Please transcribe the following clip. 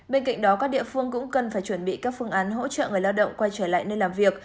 bên cạnh đó các địa phương cũng cần phải chuẩn bị các phương án hỗ trợ người lao động quay trở lại nơi làm việc